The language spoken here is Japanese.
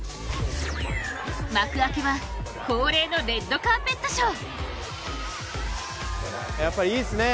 幕開けは恒例のレッドカーペットショー。